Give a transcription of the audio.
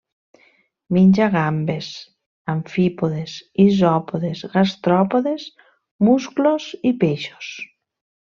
Menja gambes, amfípodes, isòpodes, gastròpodes, musclos i peixos.